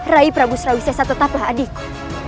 rai prabu sarawisa esa tetaplah adikku